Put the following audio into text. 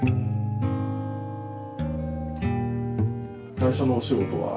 最初のお仕事は？